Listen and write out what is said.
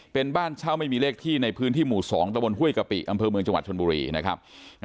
เป็นบ้านเช่าไม่มีเลขที่ในพื้นที่หมู่๒ตะบนห้วยกะปิอำเภอเมืองจังหวัดชนบุรีนะครับ